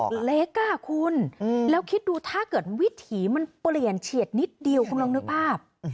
เล็กอ่ะคุณแล้วคิดดูถ้าเกิดวิถีมันเปลี่ยนเฉียดนิดเดียวคุณลองนึกภาพ